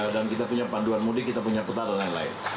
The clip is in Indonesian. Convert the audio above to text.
dan kita punya panduan mudik kita punya peta dan lain lain